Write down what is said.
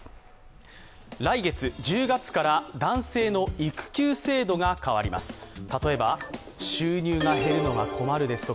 来月１０月から男性の育休制度が変わります。